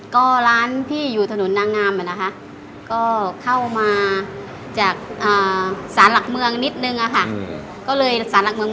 ก็เลยสารักเมืองมานิดนึง